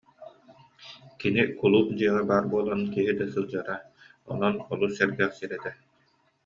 Кини кулууп дьиэҕэ баар буолан киһи да сылдьара, онон олус сэргэх сир этэ